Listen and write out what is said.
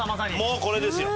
もうこれですよ。